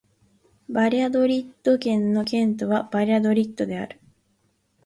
バリャドリッド県の県都はバリャドリッドである